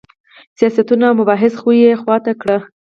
سیاستونه او مباحث خو یوې خوا ته کړه.